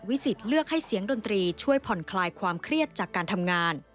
สิทธิ์เลือกให้เสียงดนตรีช่วยผ่อนคลายความเครียดจากการทำงาน